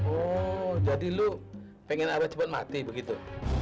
oh jadi lu pengen abah cepet mati begitu